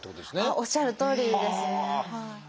おっしゃるとおりです。